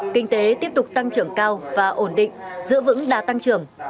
kinh tế tiếp tục tăng trưởng cao và ổn định giữ vững đa tăng trưởng